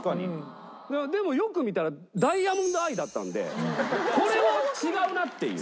でもよく見たらダイヤモンドアイだったんでこれは違うなっていう。